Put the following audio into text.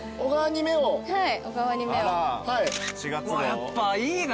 やっぱいいな。